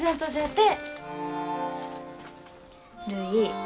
るい。